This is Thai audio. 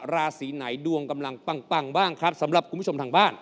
ราศีไหนดวงกำลังปังบ้างครับสำหรับคุณผู้ชมทางบ้าน